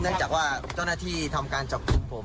เนื่องจากว่าเจ้าหน้าที่ทำการจับกลุ่มผม